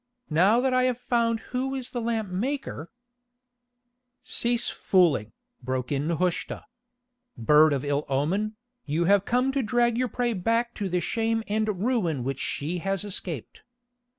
Now that I have found who is the lamp's maker——" "Cease fooling," broke in Nehushta. "Bird of ill omen, you have come to drag your prey back to the shame and ruin which she has escaped."